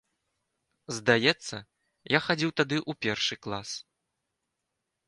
Здаецца, я хадзіў тады ў першы клас.